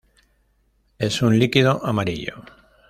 Es un líquido amarillo.